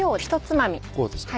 こうですか？